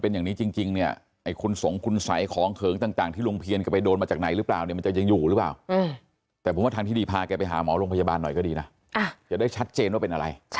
สันนิษฐานมาอย่างนั้น